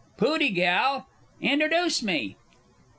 Pooty gal. Introduce me.